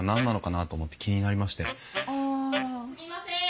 ・すみません。